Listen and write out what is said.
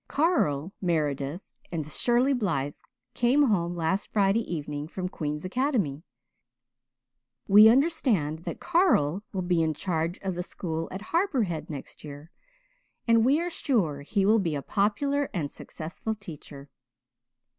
"'Carl Meredith and Shirley Blythe came home last Friday evening from Queen's Academy. We understand that Carl will be in charge of the school at Harbour Head next year and we are sure he will be a popular and successful teacher.'"